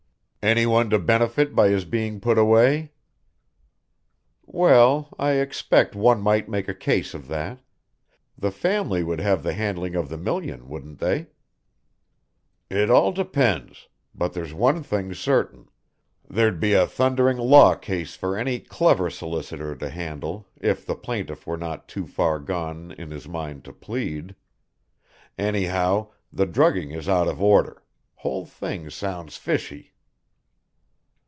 "Anyone to benefit by his being put away?" "Well, I expect one might make out a case of that; the family would have the handling of the million, wouldn't they?" "It all depends but there's one thing certain, there'd be a thundering law case for any clever solicitor to handle if the plaintiff were not too far gone in his mind to plead. Anyhow, the drugging is out of order whole thing sounds fishy."